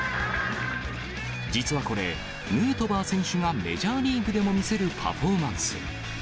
実はこれ、ヌートバー選手がメジャーリーグでも見せるパフォーマンス。